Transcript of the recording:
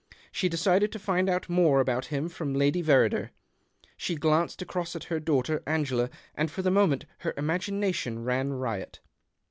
She decided to find out more about him from Lady Verrider. She glanced across at her daughter Angela, and for the moment her imagination ran riot.